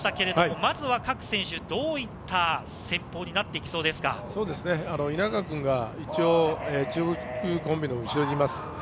まずは各選手どういった戦法に稲川が中国コンビの後ろです。